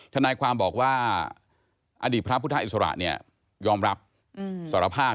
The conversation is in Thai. ทนายความบอกว่าอดีตพระพุทธอิสระเนี่ยยอมรับสารภาพ